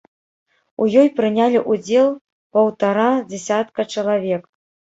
У ёй прынялі ўдзел паўтара дзясятка чалавек.